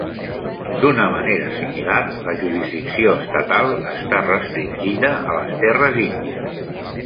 D'una manera similar, la jurisdicció estatal està restringida a les terres índies.